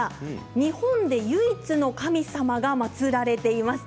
日本で唯一の神様が祭られています。